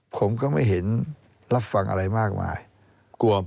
ผมก็ไม่เห็นรับฟังอะไรมากมาย